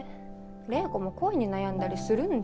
怜子も恋に悩んだりするんだ。